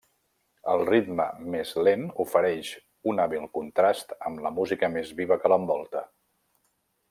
El ritme més lent ofereix un hàbil contrast amb la música més viva que l'envolta.